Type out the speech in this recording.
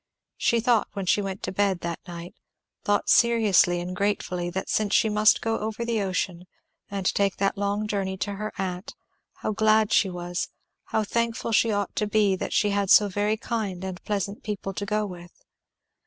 She thought when she went to bed that night, thought seriously and gratefully, that since she must go over the ocean and take that long journey to her aunt, how glad she was, how thankful she ought to be, that she had so very kind and pleasant people to go with.